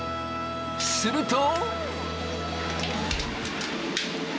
すると。